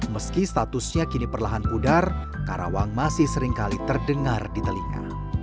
meski statusnya kini perlahan pudar karawang masih seringkali terdengar di telinga